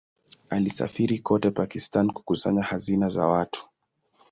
Alisafiri kote Pakistan kukusanya hazina za watu.